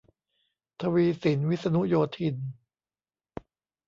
ทวีศิลป์ วิษณุโยธิน